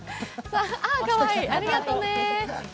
あ、かわいい、ありがとね。